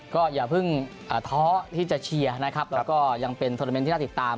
ก็อย่าเพิ่งท้อที่จะเชียร์นะครับแล้วก็ยังเป็นโทรเมนต์ที่น่าติดตาม